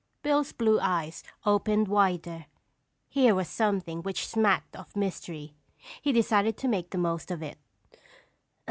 Bill's blue eyes opened wider. Here was something which smacked of mystery. He decided to make the most of it.